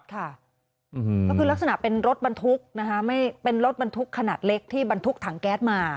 แล้วคือลักษณะเป็นรถบันทุกขนาดเล็กที่บันทุกถังแก๊สมา